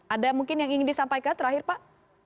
ada mungkin yang ingin disampaikan terakhir pak